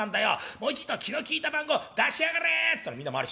もうちぃと気の利いた番号出しやがれ』つったらみんな周り